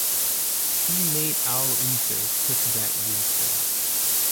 Teammate Al Unser took that year's title.